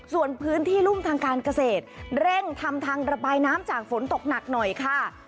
ส่วนพื้นที่รุ่มทางการเกษตรเร่งทำทางระบายน้ำจากฝนตกหนักหน่อยค่ะ